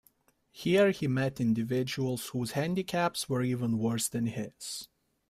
Here, he met individuals whose handicaps were even worse than his.